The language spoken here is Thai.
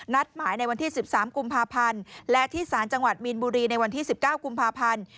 หมายในวันที่๑๓กุมภาพันธ์และที่สารจังหวัดมีนบุรีในวันที่๑๙กุมภาพันธ์